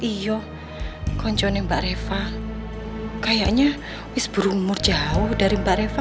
iya konconin mbak reva kayaknya wis berumur jauh dari mbak reva